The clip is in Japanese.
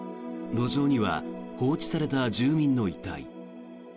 路上には放置された住民の遺体。